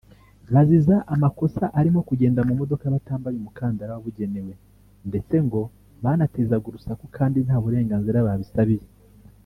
Baziza amakosa arimo kugenda mu modoka batambaye umukandara wabugenewe ndetse ngo banatezaga urusaku kandi nta burenganzira babisabiye